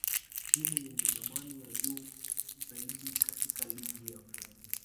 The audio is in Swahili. timu yenye thamni ya juu zaidi katika ligi ya Premia